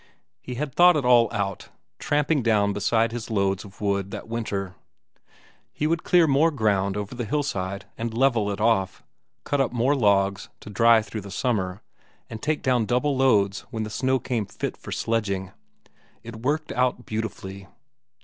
He had thought it all out, tramping down beside his loads of wood that winter; he would clear more ground over the hillside and level it off, cut up more logs to dry through the summer, and take down double loads when the snow came fit for sledging. It worked out beautifully.